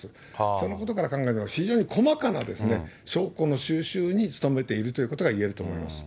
そのことから考えても、非常に細かなですね、証拠の収集に努めているということがいえると思います。